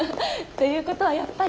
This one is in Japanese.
ということはやっぱり？